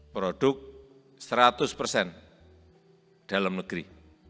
produk seratus persen dalam negeri